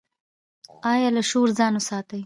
ایا له شور ځان وساتم؟